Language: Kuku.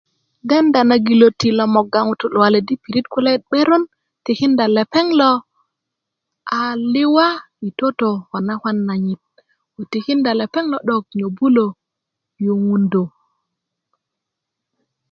denda na giloti lo moga ŋutu luwalet i pirit kulayet 'beron tikinda lepeŋ lo a liwa i toto ko nakwan nanyyit wo tikinda lepeŋ lo 'dok nyobulö yuŋundö